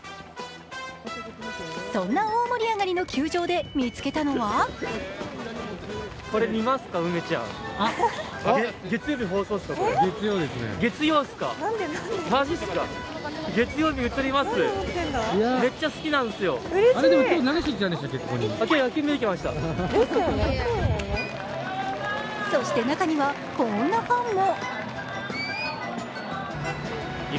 そんな大盛り上がりの球場で見つけたのはそして、中にはこんなファンも。